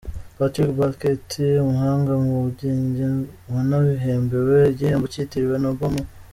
Patrick Blackett, umuhanga mu bugenge wanabihembewe igihembo cyitiriwe Nobel mu .